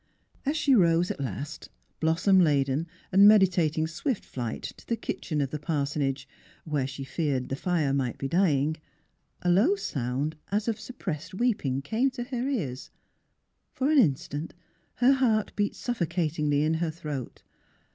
As she rose at last, blossom laden and meditat ing swift flight to the kitchen of the parsonage, where (she feared) the fire might be dying, a low sound as of suppressed weeping came to her ears. For an instant her heart beat suffocatingly in her throat.